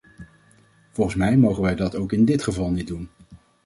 Volgens mij mogen wij dat ook in dit geval niet doen.